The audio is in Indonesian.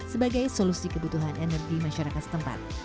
sebagai solusi kebutuhan energi masyarakat setempat